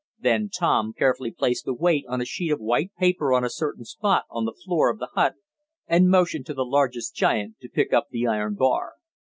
Then Tom carefully placed the weight on a sheet of white paper on a certain spot on the floor of the hut and motioned to the largest giant to pick up the iron bar.